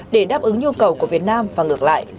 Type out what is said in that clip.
để đáp ứng nhu cầu của việt nam và ngược lại